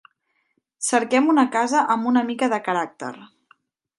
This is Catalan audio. Cerquem una casa amb una mica de caràcter.